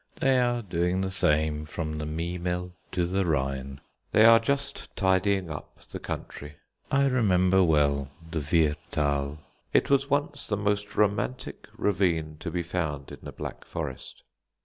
They are doing the same from the Memel to the Rhine. They are just tidying up the country. I remember well the Wehrthal. It was once the most romantic ravine to be found in the Black Forest.